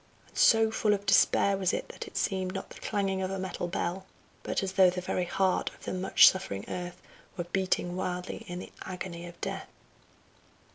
And so full of despair was it that it seemed not the clanging of a metal bell, but as though the very heart of the much suffering earth were beating wildly in the agony of death.